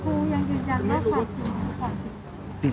คุณยังยืนยังไหมครับ